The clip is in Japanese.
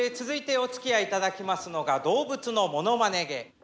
続いておつきあい頂きますのが動物のものまね芸。